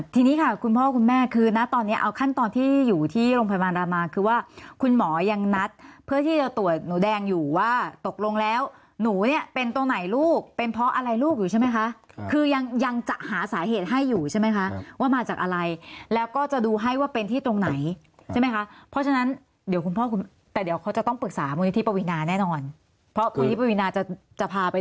ทีนี้ค่ะคุณพ่อคุณแม่คือนะตอนนี้เอาขั้นตอนที่อยู่ที่โรงพยาบาลรามาคือว่าคุณหมอยังนัดเพื่อที่จะตรวจหนูแดงอยู่ว่าตกลงแล้วหนูเนี่ยเป็นตัวไหนลูกเป็นเพราะอะไรลูกอยู่ใช่ไหมคะคือยังจะหาสาเหตุให้อยู่ใช่ไหมคะว่ามาจากอะไรแล้วก็จะดูให้ว่าเป็นที่ตรงไหนใช่ไหมคะเพราะฉะนั้นเดี๋ยวคุณพ่อคุณแต่เดี๋ยวเขาจะ